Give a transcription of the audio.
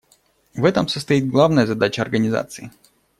В этом состоит главная задача Организации.